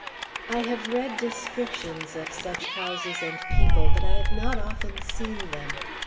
I have read descriptions of such houses and people, but I have not often seen them.